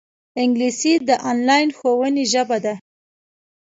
انګلیسي د انلاین ښوونې ژبه ده